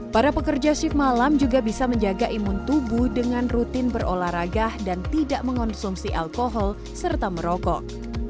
para pekerja shift malam juga bisa menjaga imun tubuh dengan rutin berolahraga dan tidak mengonsumsi alkohol serta merokok